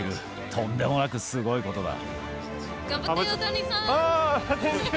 とんでもなくすごいことだ。